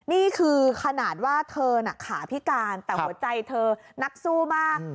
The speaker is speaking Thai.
นี่คือขนาดว่าเธอน่ะขาพิการแต่หัวใจเธอนักสู้มาก